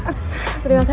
terima kasih a